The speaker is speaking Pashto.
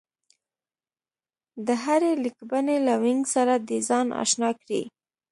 د هرې لیکبڼې له وينګ سره دې ځان اشنا کړي